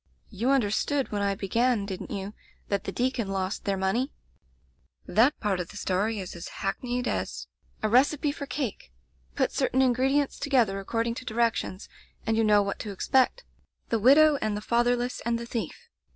"You understood when I began, didn't you, that the deacon lost their money ? That part of the story is as hackneyed as — ^a Digitized by LjOOQ IC A Dispensation recipe for cake. Put certain ingredients together according to directions, and you know what to expect. The widow and the fatherless and the thief.